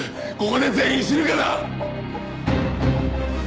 ここで全員死ぬかだ！